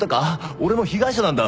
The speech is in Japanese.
俺も被害者なんだ。